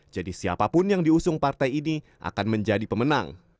jadi siapapun yang diusung partai ini akan menjadi pemenang